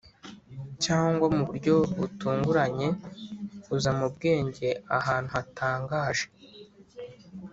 cyangwa mu buryo butunguranye uza mu bwenge ahantu hatangaje;